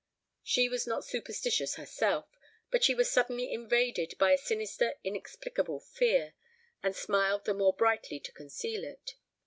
She was not superstitious herself, but she was suddenly invaded by a sinister inexplicable fear, and smiled the more brightly to conceal it.